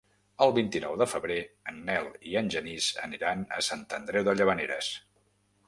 El vint-i-nou de febrer en Nel i en Genís aniran a Sant Andreu de Llavaneres.